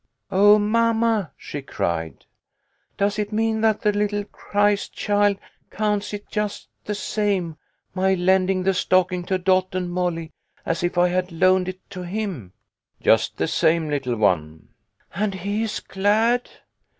" Oh, mamma !" she cried. " Does it mean that the little Christ child counts it just the same my lending the stocking to Dot and Molly as if I had loaned it to him ?" "Just the same, little one." " And he is glad